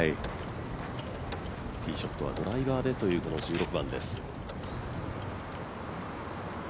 ティーショットはドライバーでというこの１６番です。